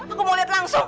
aku mau liat langsung